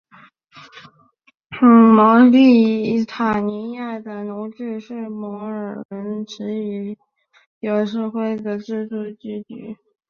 茅利塔尼亚的奴隶制度是摩尔人持续已久社会的阶级制度。